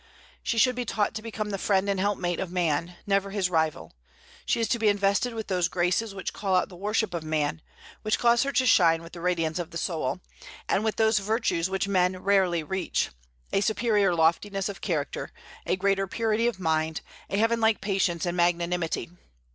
She should be taught to become the friend and helpmate of man, never his rival She is to be invested with those graces which call out the worship of man, which cause her to shine with the radiance of the soul, and with those virtues which men rarely reach, a superior loftiness of character, a greater purity of mind, a heavenlike patience and magnanimity.